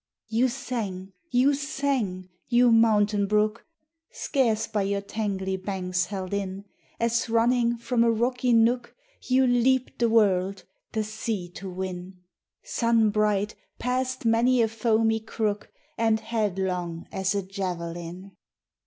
YOU sang, you sang! you mountain brook Scarce by your tangly banks held in, As running from a rocky nook, You leaped the world, the sea to win, Sun bright past many a foamy crook, And headlong as a javelin.